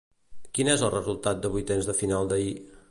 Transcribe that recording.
Quin és el resultat de vuitens de final d'ahir?